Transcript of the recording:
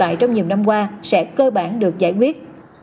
công trình năm qua sẽ cơ bản được giải quyết